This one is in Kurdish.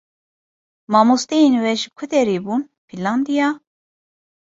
Mamosteyên we ji ku derê bûn? "Fînlandiya."